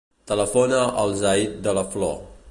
Telefona al Zayd De La Flor.